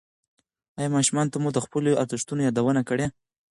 ایا ماشومانو ته مو د خپلو ارزښتونو یادونه کړې؟